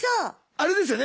あれですよね